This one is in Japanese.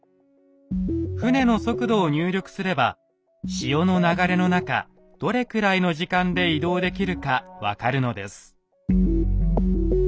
船の速度を入力すれば潮の流れの中どれくらいの時間で移動できるか分かるのです。